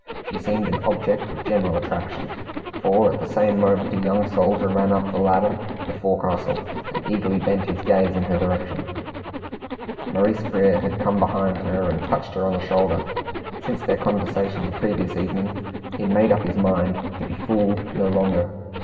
She seemed an object of general attraction, for at the same moment a young soldier ran up the ladder to the forecastle, and eagerly bent his gaze in her direction. Maurice Frere had come behind her and touched her on the shoulder. Since their conversation the previous evening, he had made up his mind to be fooled no longer.